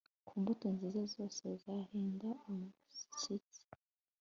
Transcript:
ku mbuto nziza zose zahinda umushyitsi